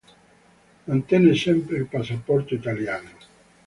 Mantenne sempre il passaporto italiano.